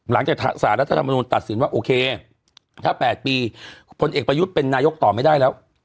หลังจากสารรัฐธรรมนุนตัดสินว่าโอเคถ้า๘ปีพลเอกประยุทธ์เป็นนายกต่อไม่ได้แล้ว